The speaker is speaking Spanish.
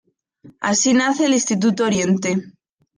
Así nace el Instituto Oriente.